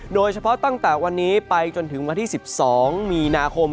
โดยเฉพาะตั้งแต่วันนี้ไปจนถึงวันที่๑๒มีนาคม